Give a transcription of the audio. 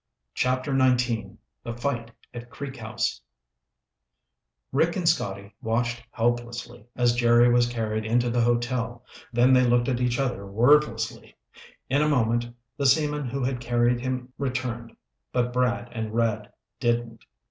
CHAPTER XIX The Fight at Creek House Rick and Scotty watched helplessly as Jerry was carried into the hotel, then they looked at each other wordlessly. In a moment the seamen who had carried him returned, but Brad and Red didn't.